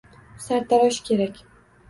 Sartarosh kerak